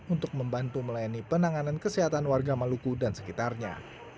untuk membantu melayani penanganan kesehatan warga maluku dan sekitarnya